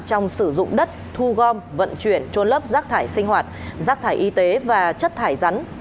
trong sử dụng đất thu gom vận chuyển trôn lấp rác thải sinh hoạt rác thải y tế và chất thải rắn